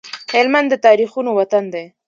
هلمند د تاريخونو وطن دی